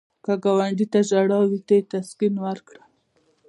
که ګاونډي ته ژړا وي، ته یې تسکین ورکړه